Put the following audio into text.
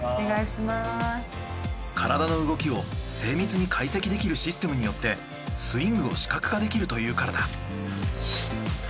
体の動きを精密に解析できるシステムによってスイングを視覚化できるというからだ。